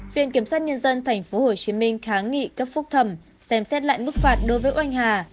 viện kiểm sát nhân dân tp hcm kháng nghị cấp phúc thẩm xem xét lại mức phạt đối với oanh hà